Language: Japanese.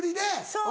そう。